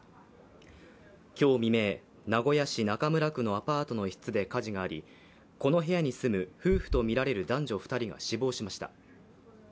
今日未明、名古屋市中村区のアパートの一室で火事があり、この部屋に住む夫婦とみられる男女２人が死亡しました。